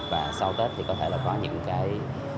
và sau tết thì có thể là có những cái